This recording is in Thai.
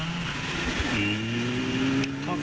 เขากะวาวสักนี้ค่ะ